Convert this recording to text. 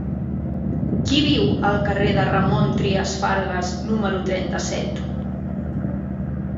Qui viu al carrer de Ramon Trias Fargas número trenta-set?